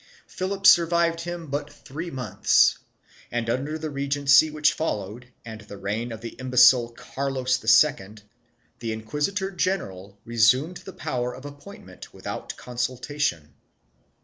Philip survived him but three months and, under the regency which followed and the reign of the imbecile Carlos II, the inquisitor general resumed the power of appointment without consultation.